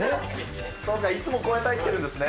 そうか、いつもこうやって入っているんですね。